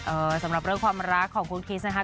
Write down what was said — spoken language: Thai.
สำหรับเรื่องความรักของคุณคริสนะคะ